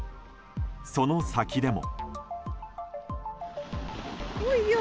その先でも。